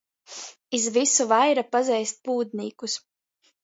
Iz vysu vaira pazeist pūdnīkus.